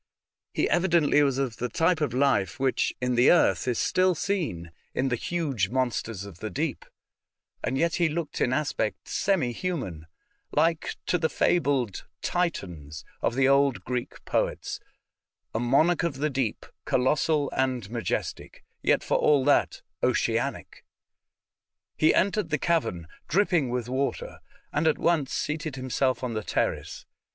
He evidently was of the type of life which in the earth is still seen in the huge monsters of the deep, and yet he looked in aspect semi human — like to the fabled Titans of the old Greek poets — a monarch of the deep, colossal and majestic, yet for all that oceanic. He entered the cavern dripping with water, and at once seated himself on the terrace.